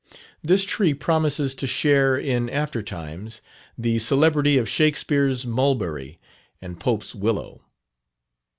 This tree promises to share in after times the celebrity of Shakspere's mulberry, and Pope's willow.